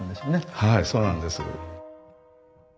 はいそうなんです。